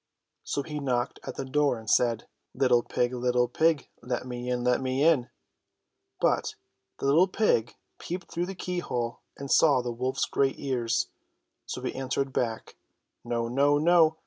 So he knocked at the door and said :^^ Little pig ! Little pig ! Let me in ! Let me in / But the little pig peeped through the keyhole and saw the wolf's great ears, so he answered back : ''No ! No ! No